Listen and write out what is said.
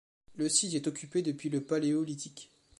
Le site est occupé depuis le paléolithique.